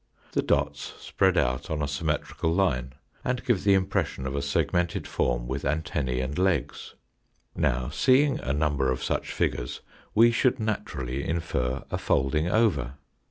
The dots spread out on a symmetrical line, and give the impression of a segmented form with antenna and legs. Now seeing a number of such figures we should naturally infer a folding over.